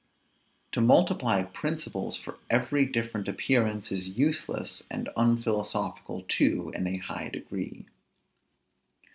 To multiply principles for every different appearance is useless, and unphilosophical too in a high degree.